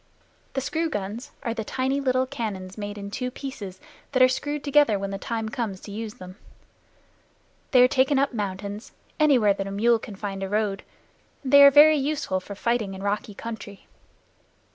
The screw guns are tiny little cannon made in two pieces, that are screwed together when the time comes to use them. They are taken up mountains, anywhere that a mule can find a road, and they are very useful for fighting in rocky country.